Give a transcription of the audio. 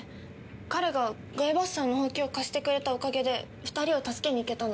彼がグエバッサーのホウキを貸してくれたおかげで２人を助けに行けたの。